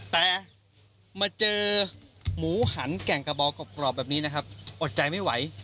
แต่มาเจอหมูหันแก่งกระบอกกรอบแบบนี้นะครับอดใจไม่ไหว